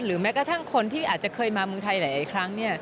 แม้กระทั่งคนที่อาจจะเคยมาเมืองไทยหลายครั้ง